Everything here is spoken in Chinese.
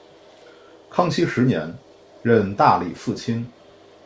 康熙十年任大理寺卿。